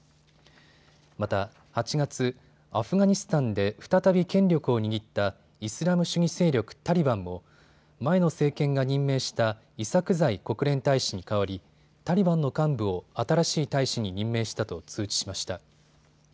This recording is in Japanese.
また８月、アフガニスタンで再び権力を握ったイスラム主義勢力タリバンも前の政権が任命したイサクザイ国連大使に代わりタリバンの幹部を新しい大使に任命したと通知しました。